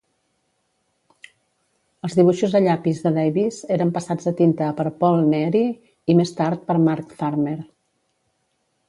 Els dibuixos a llapis de Davis eren passats a tinta per Paul Neary i, més tard, per Mark Farmer.